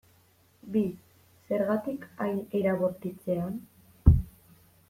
Bi, zergatik hain era bortitzean?